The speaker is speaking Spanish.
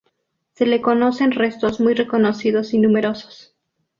Se le conocen restos muy reconocidos y numerosos.